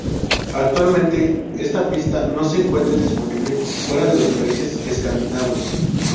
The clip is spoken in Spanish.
Actualmente, esta pista no se encuentra disponible fuera de los países escandinavos.